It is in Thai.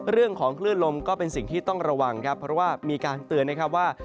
เรื่องของคลื่นลมก็เป็นสิ่งที่ต้องระวังครับเพราะว่ามีการเตือนนะครับว่า